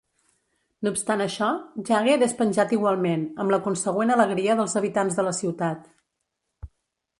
No obstant això, Jagger és penjat igualment, amb la consegüent alegria dels habitants de la ciutat.